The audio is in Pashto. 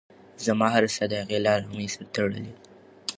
زما هره ساه د هغې له ارامۍ سره تړلې ده.